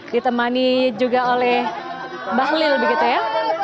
ditemani juga oleh mbak lil begitu ya